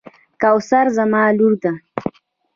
کوثر زما لور ده.